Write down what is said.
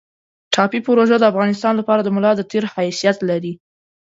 ټاپي پروژه د افغانستان لپاره د ملا د تیر حیثیت لري